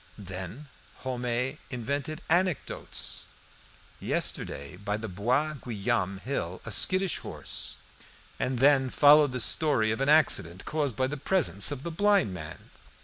Then Homais invented anecdotes "Yesterday, by the Bois Guillaume hill, a skittish horse " And then followed the story of an accident caused by the presence of the blind man.